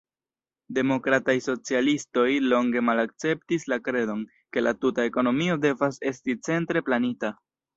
Demokrataj socialistoj longe malakceptis la kredon, ke la tuta ekonomio devas esti centre planita.